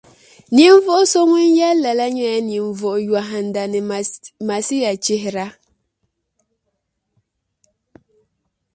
Ninvuɣ’ so ŋun yɛli lala nyɛla ninvuɣ’ yɔhinda ni Masiachihira.